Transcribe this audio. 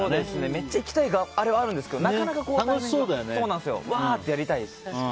めっちゃ行きたいあれはあるんですけど、なかなか。わー！ってやりたいです。